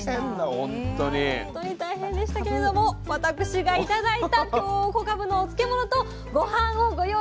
本当に大変でしたけれども私が頂いた京こかぶのお漬物とごはんをご用意いたしました。